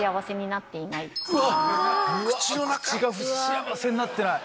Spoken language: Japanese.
うわ口が幸せになってない⁉